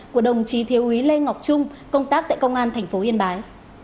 của đồng chí thiếu úy lê ngọc trung công tác tại công an thành phố yên bái